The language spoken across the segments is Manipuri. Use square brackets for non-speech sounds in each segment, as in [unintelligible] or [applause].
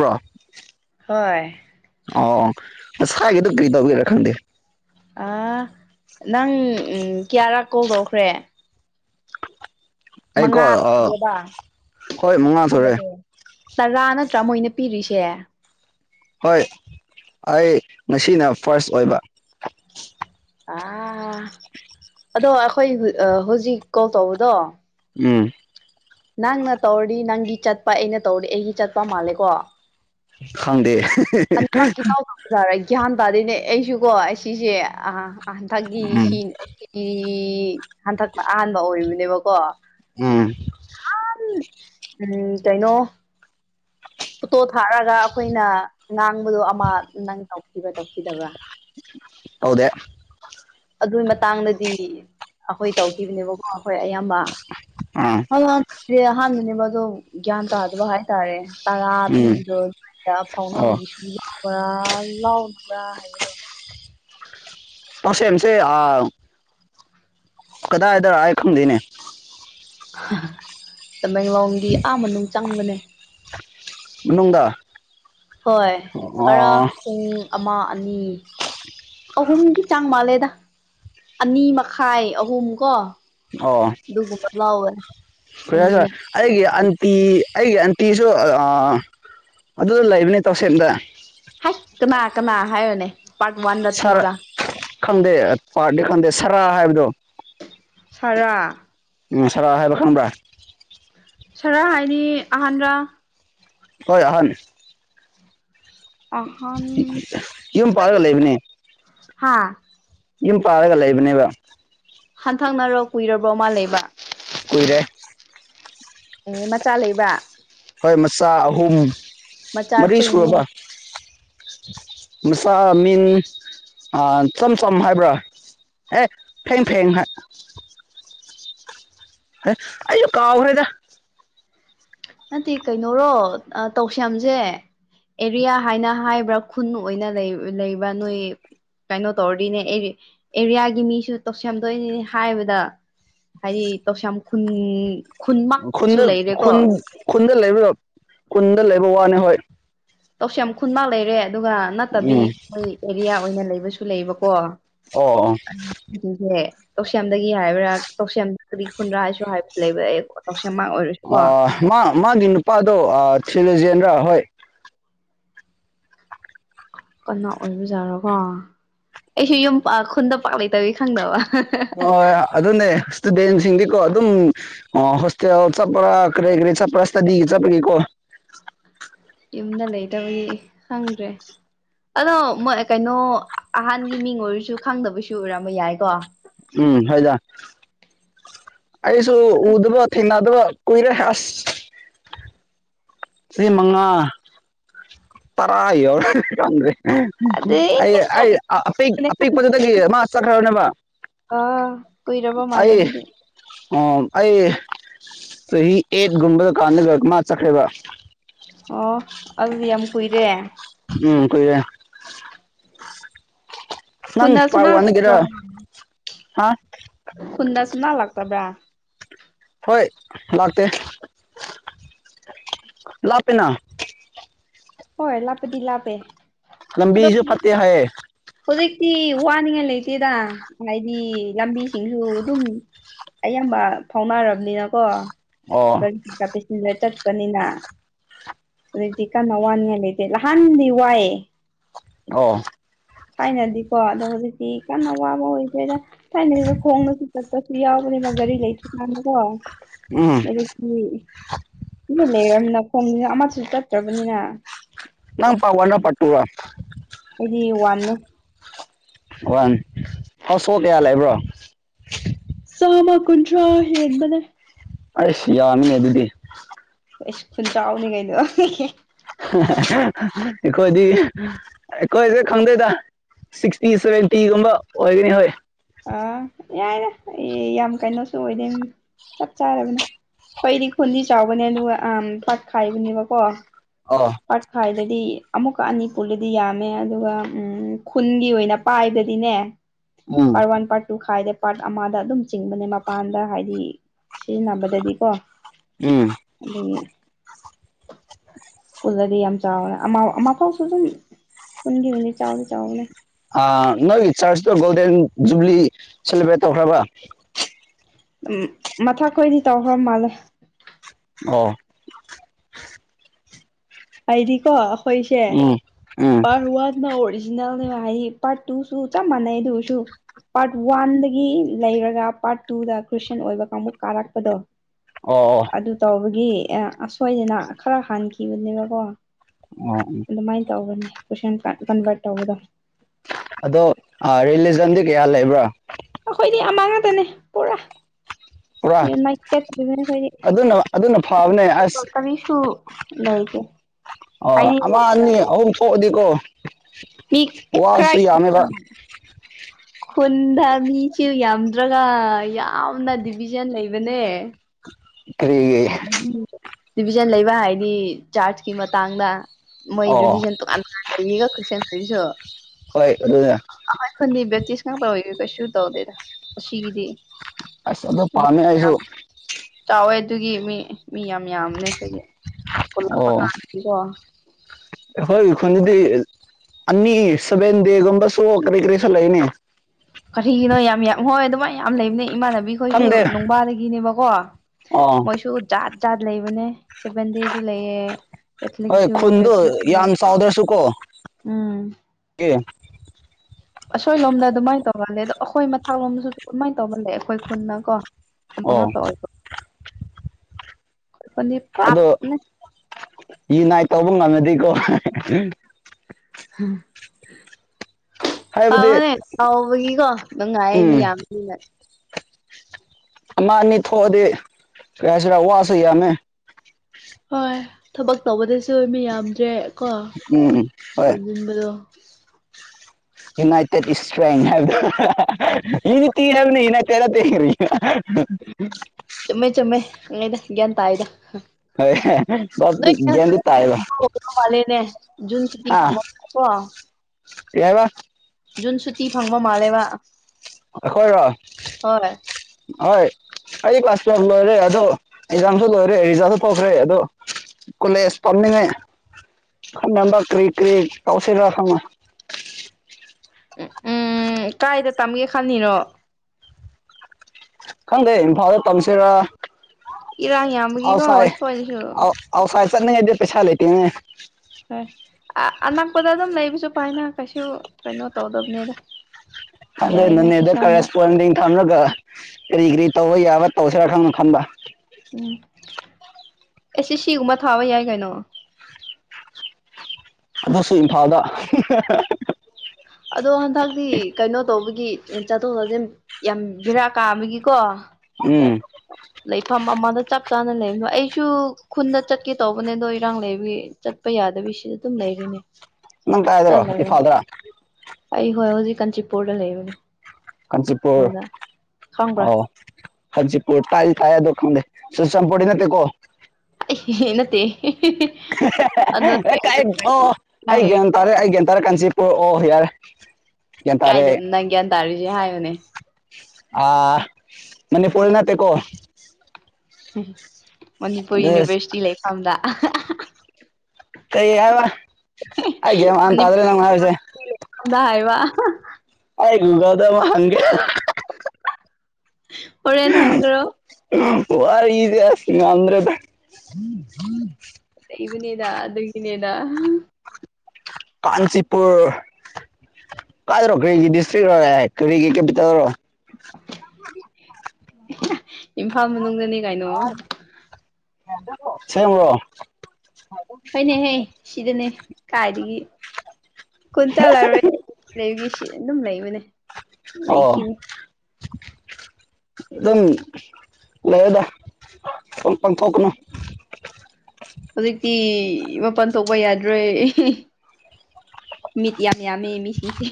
ꯔ ꯍꯣꯏ ꯑꯣꯁꯥꯏꯒꯤꯗꯨ ꯀꯩ ꯇꯧꯕꯤꯔ ꯈꯪꯗ ꯑ ꯅꯪ ꯀꯤꯌꯥꯔꯥ ꯀꯣꯜ ꯇꯧꯈ꯭ꯔꯦ ꯑꯩꯀꯣ ꯑ ꯃꯉꯥꯕ ꯍꯣꯏ ꯃꯉꯥ ꯁꯨꯔꯦ ꯑꯃꯗꯣ ꯇꯔꯥ ꯅꯠꯇ꯭ꯔꯥ ꯃꯣꯏꯅ ꯄꯤꯔꯤꯁꯦ ꯍꯣꯏ ꯑꯩ ꯉꯁꯤꯅ ꯐꯥꯔꯁ ꯑꯣꯏꯕ ꯑ ꯑꯗꯣ ꯑꯩꯈꯣꯏ ꯍꯧꯖꯤꯛ ꯀꯣꯜ ꯇꯧꯕꯗꯣ ꯎꯝ ꯅꯪꯅ ꯇꯧꯔꯗꯤ ꯅꯪꯒꯤ ꯆꯠꯄ ꯑꯩꯅ ꯇꯧꯔꯤ ꯑꯩꯒꯤ ꯆꯠꯄ ꯃꯥꯜꯂꯦꯀꯣ ꯍꯪꯗꯦ ꯑꯅꯤꯃꯛꯀꯤ ꯏꯇꯧ ꯇꯧꯖꯔꯦ ꯒ꯭ꯌꯥꯟ ꯇꯥꯗꯣꯏꯅꯦ ꯑꯩꯁꯨꯀꯣ ꯁꯤꯁꯦ ꯑ ꯍꯗꯒꯤ ꯁꯤ ꯎꯝ ꯍꯟꯗꯛ ꯑꯍꯥꯟꯕ ꯑꯣꯏꯔꯤꯕꯅꯦꯕꯀꯣ ꯎꯝ ꯎꯝ ꯀꯩꯅꯩꯅꯣ ꯐꯣꯇꯣ ꯊꯥꯔꯒ ꯑꯩꯈꯣꯏꯅ ꯉꯥꯡꯕꯗꯣ ꯑꯃ ꯅꯪ ꯇꯧꯈꯤꯕ꯭ꯔꯥ ꯇꯧꯈꯤꯗꯕ꯭ꯔꯥ ꯍꯥꯎꯗꯦ ꯑꯗꯨꯒꯤ ꯃꯇꯥꯡꯗꯗꯤ ꯑꯩꯈꯣꯏ ꯇꯧꯈꯤꯕꯅꯦꯕꯀꯣ ꯑꯩꯈꯣꯏ ꯑꯌꯥꯝꯕ ꯑꯥ ꯍ ꯁꯤ ꯑꯍꯥꯟꯕꯅꯦ ꯃ ꯑꯗꯨꯣ ꯒ꯭ꯌꯥꯟ ꯇꯥꯗꯕ ꯍꯥꯏꯇꯥꯔꯦ ꯇꯔꯥ ꯎꯝ ꯄꯤꯕꯗꯣ ꯁꯗ ꯑꯣ ꯐꯥꯎꯅꯕꯒꯤꯁꯨ ꯔꯥ ꯂꯥꯎꯕ꯭ꯔꯥ ꯍꯥꯏꯕꯗꯣ ꯑꯣ ꯁꯦꯃꯁꯦ ꯑ ꯀꯗꯥꯏꯗꯥꯏ ꯈꯪꯗꯦꯅꯦ ꯇꯃꯦꯡꯂꯣꯡꯒꯤ ꯑꯥ ꯃꯅꯨꯡ ꯆꯪꯕꯅꯦ ꯅꯨꯡꯗ ꯍꯣꯏ ꯈꯔ ꯄꯨꯡ ꯑꯃ ꯑꯅꯤ ꯑꯍꯨꯝꯒꯤ ꯆꯥꯡ ꯃꯥꯜꯂꯦꯗ ꯑꯅꯤ ꯃꯈꯥꯏ ꯑꯍꯨꯝ ꯀꯣ ꯑꯣ ꯑꯗꯨꯒꯨꯝꯕ ꯂꯧꯋꯦ ꯍꯔ ꯂꯝꯕꯤꯅ ꯑꯩꯒꯤ ꯑꯟꯇꯤ ꯑꯩꯒꯤ ꯑꯟꯇꯤꯁꯨ ꯑꯗꯨꯗ ꯂꯩꯕꯅꯤ ꯇꯧꯁꯦꯝꯗ ꯍ ꯀꯅꯥ ꯀꯅꯥ ꯍꯥꯏꯌꯣꯅꯦ ꯄꯔꯠ ꯋꯥꯟ ꯔ ꯇꯨ ꯁꯥꯔ ꯔ ꯈꯪꯗꯦ ꯄꯥꯔꯠꯗꯤ ꯈꯪꯗꯦ ꯁꯔꯥ ꯍꯥꯏꯕꯗꯣ ꯈꯔ ꯁꯔ ꯍꯥꯏꯂꯀꯕ꯭ꯔ ꯁꯔ ꯍꯥꯏꯅꯤ ꯑꯍꯥꯟꯕ ꯍꯣꯏ ꯑꯍꯅꯤ ꯑꯍꯥꯟ ꯌꯨꯝ ꯄꯥꯔꯒ ꯂꯩꯕꯅꯦ ꯍꯥꯥ ꯌꯨꯝ ꯄꯥꯔꯒ ꯂꯩꯕꯅꯦꯕ ꯍꯟꯊꯥꯡꯅꯔꯣ ꯀꯨꯏꯔꯕ꯭ꯔꯣ ꯃꯥ ꯂꯩꯕ ꯀꯨꯣꯏꯔ ꯑꯦ ꯃꯆꯥ ꯂꯩꯕ꯭ꯔ ꯆꯍꯨꯝ ꯃꯆꯥꯈꯣꯏ ꯃꯤꯡ ꯃꯆꯥ ꯃꯤꯟ ꯆꯝ ꯆꯝ ꯍꯥꯏꯕ꯭ꯔꯥ ꯑꯦ ꯐꯦꯡ ꯐꯦꯡ ꯑ ꯀꯥꯎ ꯑꯣꯏꯗ ꯅꯠꯇꯦ ꯀꯩꯅꯣꯔꯣ ꯇꯧꯁꯌꯥꯝꯁꯦ ꯑꯦꯔꯤꯌꯥ ꯍꯥꯏꯥꯏꯅ ꯍꯥꯏ ꯭ꯔꯛ ꯈꯨꯟ ꯑꯣꯏꯅ ꯂꯩ ꯂꯩꯕ ꯅꯣꯏ ꯀꯩꯅꯣ ꯇꯧꯔꯔꯤꯣꯏꯅꯦ ꯑꯦꯔꯤꯌꯥꯒꯤ ꯃꯤꯁꯨ ꯇꯧꯁꯗꯣꯏꯅꯤꯅꯤ ꯍꯥꯏꯕꯗ ꯑꯔꯤ ꯇꯧ ꯁꯝ ꯑꯩꯈꯣꯏ ꯈꯨꯟꯗ ꯈꯨꯨꯟ ꯈꯨꯟꯗ ꯂꯩꯕꯗ ꯈꯨꯟꯗ ꯂꯩꯕ ꯋꯥꯅꯤ ꯍꯣꯏ ꯇꯧꯁ ꯌꯥꯝ ꯈꯨꯟꯃꯥ ꯂꯩꯔꯦ ꯑꯗꯨꯒ ꯅꯠꯇꯕꯤ ꯎꯝ ꯑꯩꯣꯏ ꯑꯦꯔꯤꯌꯥ ꯑꯣꯏꯅ ꯂꯩꯕꯁꯨ ꯁꯨ ꯂꯩꯕꯀꯣ ꯑꯣ ꯦ ꯇꯧꯁꯦꯝꯗꯒꯤ ꯍꯥꯏꯕ꯭ꯔꯥ ꯇꯁ ꯈꯨꯨꯟꯗ꯭ꯔꯥ ꯍꯥꯏ ꯍꯥꯏꯕ ꯂꯩꯕ ꯇꯧꯁꯦꯝꯃꯥꯡ ꯑꯣꯏꯔꯁꯨꯀꯣ ꯑ ꯃꯥ ꯃꯥꯒꯤ ꯅꯨꯄꯥꯗ ꯊꯂꯖ ꯍ ꯀꯩꯅꯣ ꯑꯣꯏꯕꯖꯥꯔꯣ ꯀꯣ ꯑꯩꯁꯨ ꯌꯨꯝ ꯈꯨꯟꯗ ꯄꯥꯛ ꯂꯩꯇꯕꯤ ꯈꯪꯗꯕ ꯍ ꯑꯗꯨꯅꯦ ꯑ ꯗꯦꯟ ꯁꯤꯡꯗꯤꯀꯣ ꯑꯗꯨꯝ ꯍꯣꯁꯇꯦꯜ ꯆꯠꯄ꯭ꯔꯥ ꯀꯔꯤ ꯀꯔꯤ ꯆꯠꯄ꯭ꯔꯥꯇꯗꯤꯒ ꯆꯠꯄꯒꯦꯀꯣ ꯌꯨꯝꯗ ꯂꯩꯇꯕꯗꯤ ꯈꯪꯗ꯭ꯔꯦ ꯑꯗꯣ ꯃꯣꯏ ꯀꯩꯅꯣ ꯑꯍꯥꯟꯕꯒꯤ ꯃꯤꯡ ꯑꯣꯏꯔꯁꯨ ꯈꯪꯗꯕꯁꯨ ꯎꯔꯝꯕ ꯌꯥꯏꯀꯣ ꯎꯝ ꯍꯣꯏꯖ ꯑꯩꯁꯨ ꯎꯗꯕ ꯊꯦꯡꯅꯗꯕ ꯀꯨꯏꯔꯦ ꯑꯁ ꯆꯍꯤ ꯃꯉꯥ ꯇꯔꯥ ꯌꯎ ꯇꯥꯟꯔꯤ ꯑꯩ ꯑꯩ ꯑꯗꯨꯅ ꯑ ꯈꯪꯗꯦ ꯑꯄꯤꯛꯄꯗꯨꯗꯒꯤ ꯃꯥ ꯆꯠꯈ꯭ꯔꯕꯅꯦꯕ ꯑ ꯀꯨꯏꯔꯕ ꯃꯥꯜꯂꯦ ꯑꯩ ꯑꯗꯨꯗꯤ ꯑꯣ ꯑꯩ ꯆꯍꯤ ꯑꯦꯠꯒꯨꯝꯕꯗ ꯀꯥꯟꯅꯗ ꯃꯥ ꯆꯠꯈ꯭ꯔꯦꯕ ꯑꯣ ꯑꯗꯨꯗꯤ ꯌꯥꯝ ꯀꯨꯏꯔꯦ ꯎꯝ ꯀꯣꯏꯦ ꯅꯪ ꯈꯨꯟꯗ ꯄꯥꯎ ꯁꯨꯡꯂꯥꯛ ꯋꯥ ꯅꯒꯦꯔ ꯑ ꯈꯨꯨꯟꯗ ꯁꯨꯅ ꯂꯥꯛꯇꯥ ꯕ꯭ꯔ ꯂꯥꯛꯇ ꯂꯄꯅ ꯍꯣꯏ ꯂꯥꯞꯄꯗꯤ ꯂꯥꯄꯦ ꯂꯝꯕꯤꯁꯨ ꯐꯠꯇꯦ ꯍꯥꯏꯌꯦ ꯍꯧꯖꯤꯛꯇꯤ ꯋꯥꯅꯤꯡꯉꯥꯏ ꯂꯩꯇꯦꯗ ꯍꯥꯏꯗꯤ ꯂꯝꯕꯤꯁꯤꯡꯁꯨ ꯑꯗꯨꯝ ꯑꯌꯥꯝꯕ ꯐꯥꯎꯅꯔꯕꯅꯤꯅꯀꯣ ꯑꯣ ꯔꯤ ꯆ ꯀꯥꯄꯤꯁ ꯂꯩ ꯆ ꯆꯠꯄꯅꯤꯅ ꯑꯗꯨꯗꯤ ꯀꯟꯅ ꯋꯥꯅꯤ ꯍꯥꯏ ꯂꯩꯇꯦ ꯂꯍꯥꯟꯗꯤ ꯋꯥꯏꯑꯦ ꯑꯣ ꯊꯥꯏꯅꯗꯤꯀꯣ ꯑꯗꯣ ꯊꯥꯏꯅꯁꯤꯗ ꯈꯣꯡꯅꯁꯨ ꯆꯠꯄꯁꯨ ꯌꯥꯎꯕꯅꯦꯕ ꯒꯥꯔꯤ ꯂꯩꯇ꯭ꯔꯤꯀꯥꯟꯗꯀꯣ ꯎꯝ ꯑꯗꯒꯤꯅ ꯂꯩꯔꯕꯝꯅ ꯈꯣꯡꯅ ꯑꯃ ꯆꯠꯇ꯭ꯔꯕꯅꯤꯅ ꯅꯪ ꯄ ꯋꯥꯅ ꯄꯠꯔ ꯑꯩꯗꯤ ꯋꯥꯟꯅꯟꯅꯦ ꯋꯥꯟ ꯍꯥꯎ ꯁꯣ ꯀꯌꯥ ꯂꯩꯕ꯭ꯔꯣ ꯆꯥꯝꯃ ꯀꯨꯟꯊ꯭ꯔꯥ ꯍꯦꯟꯕꯅꯦ ꯑꯁ ꯌꯥꯅꯤ ꯑꯗꯨꯗꯤ ꯑꯩꯁ ꯈꯨꯟ ꯆꯥꯎꯅꯤ ꯀꯩꯅꯣ ꯑꯩꯈꯣꯏꯗꯤ ꯑꯩꯈꯣꯏꯁꯦ ꯈꯪꯗꯣꯏꯗ ꯁꯤꯛꯁꯇꯤ ꯁꯚꯦꯟꯇꯤꯒꯨꯝꯕ ꯑꯣꯏꯒꯅꯤ ꯍꯣꯏ ꯑꯥ ꯌꯥꯅꯦ ꯑꯩ ꯌꯥꯝ ꯀꯩꯅꯣꯁꯨ ꯑꯣꯏꯗꯦ ꯆꯞ ꯆꯥꯔꯕꯅꯦ ꯑꯩꯣꯏꯗꯤ ꯈꯨꯟꯗꯤ ꯆꯥꯎꯕꯅꯦ ꯑꯗꯨꯒ ꯄꯠ ꯈꯥꯏꯕꯅꯦꯕꯀꯣ ꯑꯣ ꯄꯠꯈꯥꯏ ꯑꯗꯨꯗꯤ ꯑꯃꯨꯛꯀ ꯑꯅꯤ ꯄꯨꯜꯂꯗꯤ ꯌꯥꯝꯃꯦ ꯑꯗꯨꯒ ꯎꯝ ꯈꯨꯟꯒꯤ ꯑꯣꯏꯅ ꯄꯥꯏꯕꯗꯤꯅꯦ ꯎꯝ ꯄꯔ ꯋꯥꯟ ꯄꯔ ꯇꯨ ꯈꯥꯏꯗꯦ ꯄꯥꯔꯠ ꯑꯃꯗ ꯑꯗꯨꯝ ꯆꯤꯡꯕꯅꯦ ꯃꯄꯥꯟꯗ ꯍꯥꯏꯗꯤ ꯁꯤꯖꯤꯟꯅꯕꯗꯗꯤꯀꯣ ꯎꯝ ꯑꯗꯨꯗꯦ ꯄꯨꯜꯂꯗꯤ ꯌꯥꯝ ꯆꯥꯎꯦ ꯃꯄꯥꯎꯁꯨ ꯑꯗꯨꯝ ꯄꯨꯟꯈꯤꯕꯅꯤ ꯆꯥꯎꯅꯤꯦ ꯆꯥꯎꯅꯦ ꯑ ꯅꯣꯏꯒꯤ ꯆꯔꯆ ꯣꯜꯗꯦꯟ ꯖꯨꯕꯂꯤ ꯁꯦꯂꯦꯕ꯭ꯔꯦꯠ ꯇꯧꯈ꯭ꯔꯕ ꯎꯝ ꯃꯊꯛꯈꯣꯏꯗꯤ ꯇꯧꯈ꯭ꯔ ꯃꯥꯜꯂꯦ ꯑꯣ ꯍꯥꯏꯥꯏꯗꯤ ꯀꯣ ꯍꯣꯏꯁꯦ ꯎꯝ ꯎꯝ ꯄꯥꯔ ꯍ ꯋꯥꯗ ꯅ ꯑꯣ ꯑꯣꯔꯤꯖꯤꯅꯦꯜꯅꯦ ꯍꯥꯏꯗꯤ ꯄꯥꯔꯠ ꯇꯨꯁꯨ ꯆꯞ ꯃꯥꯟꯅꯩ ꯑꯗꯨ ꯑꯣꯏꯔꯁꯨ ꯄꯥꯔꯠ ꯋꯥꯟꯗꯒꯤ ꯂꯩꯔꯒ ꯄꯥꯔꯠ ꯇꯨꯗ ꯈ꯭ꯔꯤꯁꯇꯌꯥꯟ ꯑꯣꯏꯕ ꯀꯥꯡꯕꯨ ꯀꯥꯔꯛꯄꯗꯣ ꯑꯣ ꯑꯣ ꯑꯣ ꯑꯗꯨ ꯇꯕ ꯒꯤ ꯑꯁꯣꯏꯗꯅ ꯈꯔ ꯍꯥꯟꯈꯤꯕꯅꯦꯕꯀꯣ ꯎꯝ ꯑꯗꯨꯃꯥꯏꯅ ꯇꯧꯕꯅꯦ ꯀ ꯀ ꯀꯟꯚꯔꯠ ꯑꯕꯗ ꯑꯗꯣ ꯔꯤꯂꯤꯖꯟꯗꯤ ꯀꯌꯥ ꯂꯩꯕ꯭ꯔꯥ ꯑꯩꯈꯣꯏꯅꯦ ꯑꯃ ꯉꯥꯛꯇꯅꯦ ꯄꯨꯔꯥ ꯄꯨꯔꯥ ꯅ ꯑꯩꯈꯣꯏ ꯑꯗꯨꯅ ꯑꯗꯨꯅ ꯐꯕꯅꯦ ꯑꯁ ꯀꯕꯤꯁꯨ ꯂꯩꯀ ꯑꯣ ꯑꯃꯅꯤ ꯑꯍꯨꯝ ꯀꯣꯛꯗꯤꯀꯣ ꯃꯤ ꯈꯔ ꯋꯥꯁꯨ ꯌꯥꯝꯃꯦꯕ ꯎꯝ ꯈꯨꯟꯗ ꯃꯤꯁꯨ ꯌꯥꯝꯗ꯭ꯔꯒ ꯌꯥꯝꯅ ꯗꯤꯚꯖꯟ ꯂꯩꯕꯅꯦ ꯀꯔꯤꯒꯤ ꯑꯗꯨ ꯗꯤꯚꯖꯟ ꯂꯩꯕ ꯍꯥꯏꯗꯤ ꯆꯥꯔꯖꯀꯤ ꯃꯇꯥꯡꯗ ꯑꯣ ꯃꯣꯏꯔꯤꯂꯤꯖꯦꯟ ꯀ ꯏꯒ ꯈꯨꯁꯤꯟ ꯇꯤꯁꯨꯣ ꯍꯣꯏ ꯑꯗꯨꯅꯦ ꯑ ꯑꯩꯈꯕꯇꯤꯁ ꯍ ꯄ꯭ꯔꯕ ꯀꯁꯤ ꯇꯧꯗꯦꯗꯁꯤꯒꯤꯗꯤ ꯑꯁ ꯑꯗꯨ ꯄꯥꯝꯃꯦ ꯑꯩꯁꯨ ꯆꯥꯎꯋꯦ ꯑꯗꯨꯒꯤ ꯃꯤ ꯃꯤ ꯌꯥꯝ ꯌꯥꯝꯅꯦ ꯑꯩꯈꯣꯏꯒꯤ ꯀꯣ ꯍꯣꯏ ꯈꯨꯟꯗꯗꯤ ꯑꯅꯤ ꯁꯚꯦꯟ ꯗꯦꯒꯨꯝꯕꯁꯨ ꯀꯔꯤ ꯀꯔꯤꯁꯨ ꯂꯩꯅꯤ ꯀꯔꯤꯒꯤꯅꯣ ꯌꯥꯝ ꯌꯥꯝ ꯍꯣꯏ ꯑꯗꯨꯝ ꯌꯥꯝ ꯂꯩꯕꯅꯦ ꯏꯃꯥꯟꯅꯕꯤ ꯈꯣꯏꯁꯨ ꯈꯪꯗꯦ ꯡꯕꯥꯗꯒꯤꯅꯦꯕꯀꯣ ꯑꯣ ꯃꯣꯏꯁꯨ ꯖꯥꯠ ꯏꯁꯇꯥꯔꯠ ꯂꯩꯕꯅꯦ ꯁꯦꯚꯦꯟ ꯗꯦꯁꯨ ꯂꯩꯑꯦ ꯍꯣꯏ ꯈꯨꯟꯗ ꯌꯥꯝ ꯆꯥꯎꯗ꯭ꯔꯁꯨ ꯀꯣ ꯎꯝ ꯑꯁꯣꯏ ꯂꯣꯝꯗ ꯑꯗꯨꯃꯥꯏꯅ ꯇꯧ ꯐꯂꯦ ꯑꯗꯣ ꯑꯩꯈꯣꯏ ꯃꯊꯥꯛꯂꯣꯝꯁꯨ ꯑꯗꯨꯃꯥꯏꯅ ꯇꯧꯕ ꯂꯩ ꯑꯩꯈꯣꯏ ꯈꯨꯅ ꯀꯣ ꯉ ꯑꯣ ꯇ ꯑꯣꯏꯕ ꯑꯩ ꯄꯥꯄꯅꯦ ꯇꯕꯨꯨꯡ ꯉꯃꯦꯗꯤꯀꯣ ꯑ ꯍꯥꯏꯕꯗꯤ ꯐꯕꯅꯦ ꯆꯥꯎꯥꯕꯒꯤꯀꯣ ꯅꯨꯡꯉꯥꯏꯌꯦ ꯃꯤ ꯎꯝ ꯌꯥꯝꯒꯤꯅ ꯑꯃ ꯑꯅꯤ ꯊꯣꯛꯑꯗꯤ ꯀꯥꯏꯁꯤꯔ ꯋꯥꯁꯨ ꯌꯥꯃꯦ ꯍꯣꯏ ꯊꯕꯛ ꯇꯧꯕꯗꯁꯨꯕ ꯌꯥꯝꯗ꯭ꯔꯦ ꯀꯣ ꯎꯝ ꯍꯣꯏ ꯀꯗꯟꯕꯗꯣ ꯌꯨꯅꯥꯏꯇꯦꯠ ꯏꯁꯇꯦꯠ ꯍꯥꯏꯕ ꯔ ꯕꯅꯤ ꯏꯅ ꯇꯦꯔ ꯇꯔꯤ ꯆꯨꯝꯃꯦ ꯆꯨꯝꯃꯦꯗ ꯭ꯟ ꯇꯥꯑꯗ ꯍꯣꯏ ꯚꯥꯞꯇꯤ ꯒ꯭ꯌꯥꯟꯗꯤ ꯇꯥꯏꯌꯦꯕ ꯅꯦꯅꯦ ꯨꯟꯁꯨꯇꯤ ꯐꯃꯀꯣ ꯌꯥꯕ ꯖꯟ ꯁꯨꯇꯤ ꯐꯪꯕ ꯃꯥꯜꯂꯦꯕ ꯈꯣꯏ ꯔꯣ ꯍꯣꯏ ꯍꯣꯏ ꯑꯩ ꯀ꯭ꯂꯥꯁ ꯇꯨꯌꯦꯦꯜꯚ ꯂꯣꯏꯔꯦ ꯑꯗꯣ ꯑꯦꯛꯖꯥꯝꯁꯨ ꯂꯣꯏꯔꯦ ꯔꯤꯖꯥꯜꯁꯨ ꯇꯧꯈ꯭ꯔꯦ ꯑꯗꯣ ꯀꯣꯂꯦꯖ ꯐꯝꯅꯤꯡꯉꯦ ꯈꯪꯅꯕ ꯀꯔꯤ ꯀꯔꯤ ꯇꯧꯁꯤꯔꯥ ꯈꯪꯉ ꯎꯝ ꯎꯝ ꯀꯥꯏꯗ ꯇꯝꯒꯦ ꯈꯜꯂꯤꯔꯣ ꯈꯪꯗꯦ ꯏꯝꯐꯥꯜꯗ ꯇꯝꯁꯤꯔ ꯏꯔꯥꯡ ꯌꯥꯕꯒꯤ ꯀꯣꯋꯥꯁꯄꯁꯨ ꯆꯠꯅꯗꯦ ꯄꯁꯥ ꯂꯩꯇ ꯍꯣꯏ ꯑꯅꯛꯄꯗ ꯑꯗꯨꯝ ꯂꯩꯕꯁꯨ ꯄꯥꯏꯅ ꯀꯩꯁꯨ ꯀꯩꯅꯣ ꯇꯧꯗꯕꯅꯦꯗ ꯑꯗꯣ ꯌꯥꯏꯅ ꯅꯅꯦꯗ ꯏꯁꯥꯅ ꯀꯔꯦꯁꯄꯣꯟꯗꯤꯡ ꯊꯝꯔꯒ ꯀꯔꯤ ꯀꯔꯤ ꯇꯧꯕ ꯌꯥꯕ ꯑꯣꯥꯎꯁꯔ ꯈꯪꯅ ꯈꯕ ꯎꯝ ꯑꯦꯁ ꯁꯤꯒꯨꯝꯕ ꯊꯥꯕ ꯌꯥꯏ ꯀꯩꯅꯣ ꯑꯁꯨ ꯏꯝꯐꯥꯜꯗ ꯑꯗꯣ ꯍꯟꯗꯛꯇꯤ ꯀꯩꯅꯣ ꯇꯧꯕꯒꯤ ꯆꯠꯊꯣꯛ ꯆꯠꯁꯤꯟ ꯌꯥꯝ ꯚꯦꯔꯥ ꯀꯥꯕꯒꯤꯀꯣ ꯎꯝ ꯂꯩꯐꯝ ꯃꯃꯥꯗ ꯆꯠꯄ ꯆꯞ ꯆꯥꯅ ꯂꯩ ꯑꯩꯁꯨ ꯈꯨꯟꯗ ꯆꯠꯀꯦ ꯇꯧꯕꯅꯦ ꯑꯗꯣ ꯏꯔꯥꯡ ꯂꯩꯕꯤ ꯆꯠꯄ ꯌꯥꯗꯕꯤꯁꯤꯗ ꯑꯗꯨꯝ ꯂꯩꯒꯅꯦ ꯅꯪ ꯀꯥꯏꯗꯣ ꯏꯐꯥꯜꯗ꯭ꯔ ꯑꯩ ꯍꯣꯏ ꯍꯧꯖꯤꯛ ꯀꯥꯟꯆꯤꯄꯨꯔꯗ ꯂꯩꯕꯅꯦ ꯀꯥꯟꯆꯤꯄꯨꯔ ꯍꯧꯗ ꯈꯪꯕ꯭ꯔꯥ ꯑꯣ ꯀꯥꯟꯆꯤꯄꯨꯔ ꯇ ꯑꯗꯗꯨꯀꯥꯟꯗꯦ ꯁꯁꯝ ꯄ ꯅꯠꯇꯦ ꯀꯣ ꯌꯦ ꯅꯠꯇꯦ ꯑꯗꯨ ꯀ ꯑꯣ ꯅꯪ ꯑꯩ ꯂꯩ ꯒ꯭ꯌꯥꯟ ꯇꯥꯔꯦ ꯑꯩ ꯒꯌꯥꯟ ꯇꯥꯔꯦ ꯀꯥꯟꯆꯤꯄꯨꯔ ꯑꯣ ꯌꯥꯔꯦ [unintelligible] ꯇꯥꯔꯦ ꯀꯥꯏꯗꯅ ꯅꯪ ꯒ꯭ꯌꯥꯟ ꯇꯥꯔꯤꯁꯦ ꯍꯥꯏꯌꯨꯅꯦ ꯑꯥ ꯃꯅꯤ ꯐꯨꯜ ꯅ ꯇ ꯀꯣ ꯎꯔꯤ [unintelligible] ꯃꯅꯤꯄꯨꯔ ꯑꯁ ꯌꯨꯅꯤꯚꯔꯁꯤꯇꯤ ꯂꯩꯐꯝꯗ ꯀꯩ ꯍꯥꯏ ꯍꯥꯏꯦ ꯑꯇꯗ꯭ꯔꯦ ꯅꯪ ꯌꯎꯁꯦ ꯀꯗꯥꯑ ꯋꯥ ꯨꯑꯩ ꯒꯨꯒꯜꯗꯥ ꯑꯃꯨꯛ ꯍꯥꯪꯒꯦ ꯄꯨꯔꯦ ꯍꯟꯒ꯭ꯔꯣ ꯋꯥꯔ ꯏꯗꯤꯌꯥꯁꯗ꯭ꯔꯦꯗ ꯂꯩꯕꯅꯦꯗ [unintelligible] ꯀꯥꯟꯆꯤꯄꯨꯔ ꯀꯥꯏꯗ꯭ꯔꯣ ꯀꯔꯤꯒꯤ ꯗꯤꯁꯇ꯭ꯔꯤꯛ ꯔꯦ ꯀꯔꯤꯒꯤ ꯀꯦꯄꯤꯇꯦꯜ ꯑꯣꯏꯣ [unintelligible] ꯏꯝꯐꯥꯜ ꯃꯅꯨꯡꯗꯅꯤ ꯀꯥꯏꯅꯣ ꯁꯦꯝꯕ ꯍꯣꯏꯅꯦꯍꯌꯦ ꯁꯤꯗꯅꯦ ꯀꯥꯏꯗꯒꯤ ꯀꯨꯟ ꯆꯥꯂꯔꯣꯏ ꯂꯩꯒꯤ ꯁꯤꯗ ꯑꯗꯨꯝ ꯂꯩꯕꯅꯦ ꯑꯣ ꯂꯩꯈꯤ ꯑꯗꯨ ꯑꯗꯨꯝ ꯂꯣꯏꯗ ꯄꯥꯡꯊꯣꯛ ꯀ ꯍꯧꯖꯤꯛꯇꯤ ꯃꯄꯥꯟ ꯊꯣꯛꯄ ꯌꯥꯗ꯭ꯔꯦ ꯃꯤꯇ ꯌꯥꯝ ꯌꯝꯃꯦ ꯃꯤꯁꯤꯁꯤ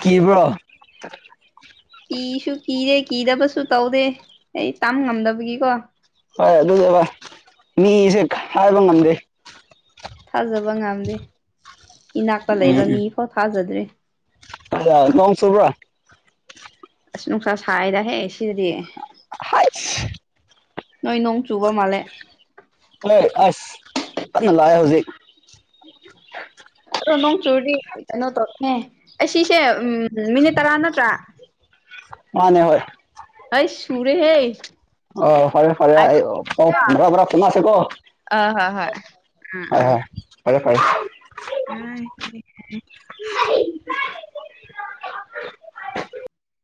ꯀꯤ ꯄꯣ ꯀꯁꯨ ꯀꯔꯦ ꯀꯤꯗꯕꯁꯨ ꯇꯧꯗꯦ ꯑꯩ ꯇꯝ ꯉꯝꯗꯕꯒꯤꯀꯣ ꯍꯣꯏ ꯑꯗꯨꯅꯦꯚ ꯃꯤꯁꯦ ꯍꯥꯏꯕ ꯉꯝꯗꯦ ꯊꯥꯖꯕ ꯉꯝꯗꯦ ꯏꯅꯥꯛꯇ ꯂꯩꯕ ꯃꯤꯐꯥꯎ ꯊꯥꯖꯗ꯭ꯔꯦ ꯑ ꯀꯝ ꯁꯕ꯭ꯔ ꯑ ꯅꯨꯡꯁꯥ ꯁꯥꯏꯗ ꯍꯦ ꯁꯤꯔꯤꯌꯦ ꯍꯥꯏꯁ ꯅꯣꯏ ꯅꯣꯡ ꯆꯨꯕ ꯃꯥꯜꯂꯦ ꯍꯣꯏ ꯑꯁ ꯀꯅ ꯂꯥꯛꯦ ꯍꯧꯖꯤꯛ ꯑꯗꯣ ꯅꯣꯡꯆꯨꯗꯤ ꯀꯩꯅꯣ ꯇꯧꯔꯅꯦ ꯑꯩ ꯁꯤꯁꯦ ꯎ ꯃꯤꯅꯤꯠ ꯇꯔꯥ ꯅꯠꯇ꯭ꯔꯥ ꯃꯥꯅꯦ ꯍꯣꯏ ꯑ ꯁꯨꯔꯦ ꯍꯥꯏꯦ ꯑꯣ ꯐꯔꯦ ꯐꯔꯦ ꯑꯣ ꯕꯔꯥ ꯕ꯭ꯔꯥ ꯊꯃꯥꯁꯦ ꯀꯣ ꯑ ꯍꯣꯏ ꯍꯣꯏ ꯍ ꯍꯣꯏ ꯐꯔꯦ ꯐꯔ ꯑ